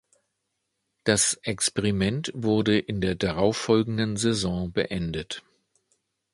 Das Experiment wurde in der darauffolgenden Saison beendet.